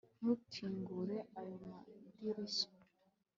ntukingure ayo madirishya